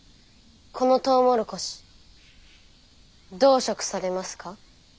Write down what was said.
この「トウモロコシ」どう食されますか？